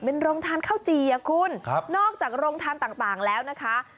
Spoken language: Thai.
เป็นโรงทานข้าวจี่อ่ะคุณครับนอกจากโรงทานต่างแล้วนะคะ